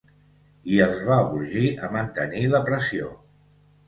I els va urgir a mantenir la pressió.